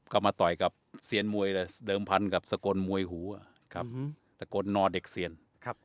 ก็มาต่อยกับเซียนมวยเลยเดิมพันกับสกลมวยหูอ่ะครับสกลนอเด็กเซียนครับ